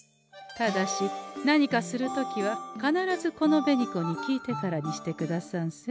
ただし何かする時は必ずこの紅子に聞いてからにしてくださんせ。